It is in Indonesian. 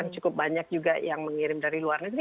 cukup banyak juga yang mengirim dari luar negeri